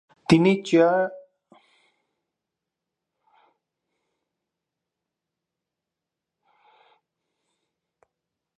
তিনি চিয়াপাসের governor Manuel Velasco কোয়েলোর সাথে বিবাহ বন্ধনে আবদ্ধ হন।